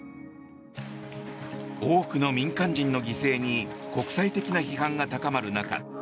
多くの民間人の犠牲に国際的な批判が高まる中